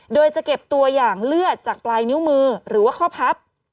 โดยจะเก็บตัวอย่างเลือดจากปลายนิ้วมือหรือว่าข้อพับ